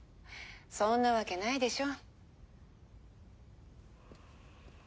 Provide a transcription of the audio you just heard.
そんなわけないでしょ。